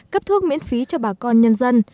cấp thuốc miễn phí cho bà con nhân dân